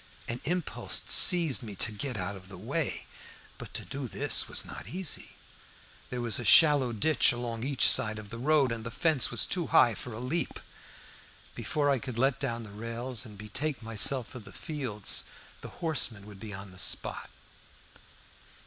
An impulse seized me to get out of the way. But to do this was not easy. There was a shallow ditch along each side of the road, and the fence was too high for a leap. Before I could let down the rails and betake myself to the fields the horseman would be on the spot.